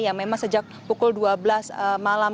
yang memang sejak pukul dua belas malam